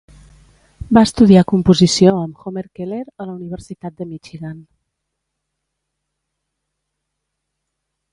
Va estudiar composició amb Homer Keller a la Universitat de Michigan.